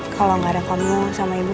kalau gak ada kamu sama ibu